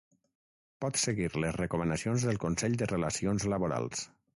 Pots seguir les recomanacions del Consell de Relacions Laborals